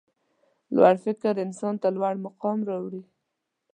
لوړ فکر انسان ته لوړ مقام راوړي.